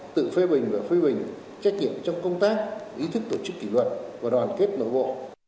tự phê bình và phê bình trách nhiệm trong công tác ý thức tổ chức kỷ luật và đoàn kết nội bộ